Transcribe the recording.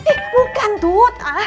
eh bukan tut